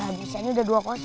abis ini udah dua